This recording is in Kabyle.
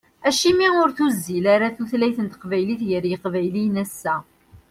Acimi ur tuzzil ara tutlayt n teqbaylit gar yiqbayliyen ass-a?